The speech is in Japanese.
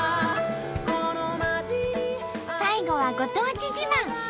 最後はご当地自慢。